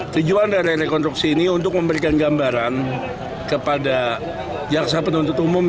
tujuan dari rekonstruksi ini untuk memberikan gambaran kepada jaksa penuntut umum